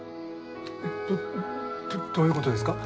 えどどういうことですか？